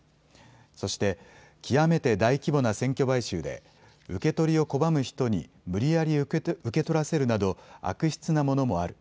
そして極めて大規模な選挙買収で受け取りを拒む人に無理やり受け取らせるなど悪質なものもある。